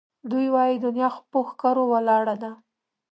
دوی وایي دنیا خو پهٔ ښکرو ولاړه ده